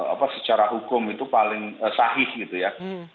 apa secara hukum itu paling sahih gitu ya